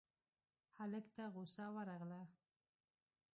هلک ته غوسه ورغله: